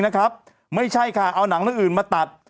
ว่ามีซีซัน๒มาแล้วอะไรแบบนี้